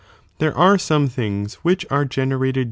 There are some things which are generated j.